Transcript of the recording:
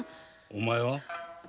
お前は？